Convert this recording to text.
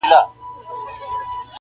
امیرحمزه بابا روح دي ښاد وي.